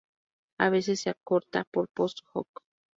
A veces se acorta por post hoc.